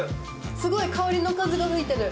すごい、香りの風が吹いてる。